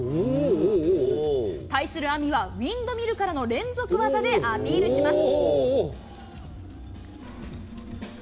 対するＡｍｉはウィンドミルからの連続技でアピールします。